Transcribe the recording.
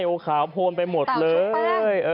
เป็นขาโคนไปหมดเลย